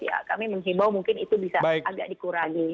ya kami menghimbau mungkin itu bisa agak dikurangi